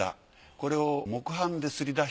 これを木版で刷り出している。